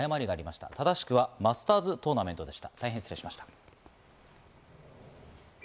ただしくはマスターズトーナメントでした。